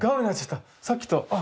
さっきとあ